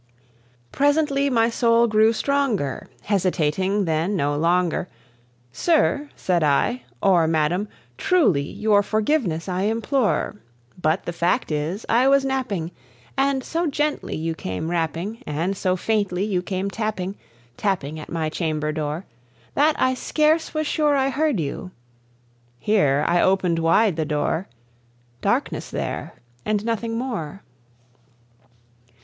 Presently my soul grew stronger; hesitating then no longer, "Sir," said I, "or madam, truly your forgiveness I implore; But the fact is, I was napping, and so gently you came rapping, And so faintly you came tapping, tapping at my chamber door, That I scarce was sure I heard you." Here I opened wide the door: Darkness there, and nothing more.